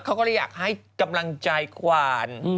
เขาก็เลยอยากให้กำลังใจขวาน